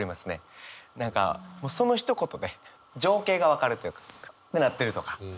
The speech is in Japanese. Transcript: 何かそのひと言で情景が分かるというか。ってなってるとか。